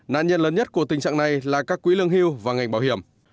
nạn nhân lớn nhất của tình trạng này là các quỹ lương hưu và ngành bảo hiểm